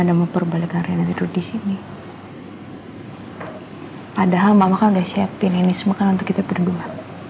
sampai jumpa di video selanjutnya